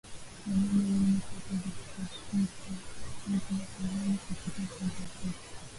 Wanyama wenye kwato za kupasuka wapo hatarini kupata ugonjwa huu